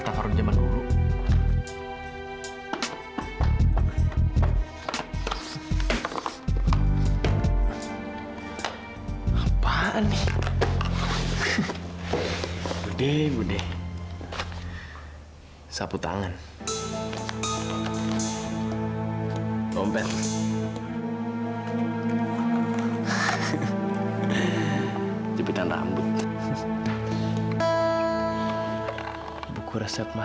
sampai jumpa di video selanjutnya